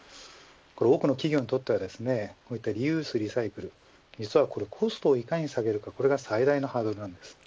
多くの企業にとってはリユース、リサイクル実はコストをいかに下げるかが最大のハードルです。